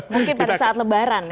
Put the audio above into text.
mungkin pada saat lebaran ya